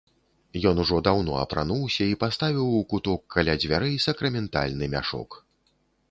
Ён ужо даўно апрануўся і паставіў у куток каля дзвярэй сакраментальны мяшок.